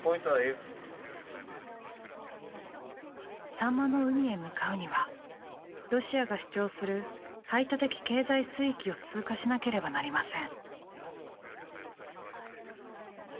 サンマの海へ向かうにはロシアが主張する排他的経済水域を通過しなければなりません。